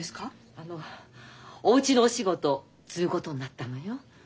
あのおうちのお仕事継ぐことになったのよ。